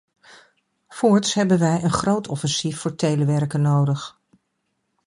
Voorts hebben wij een groot offensief voor telewerken nodig.